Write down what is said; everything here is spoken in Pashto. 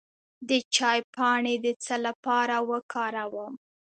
د چای پاڼې د څه لپاره وکاروم؟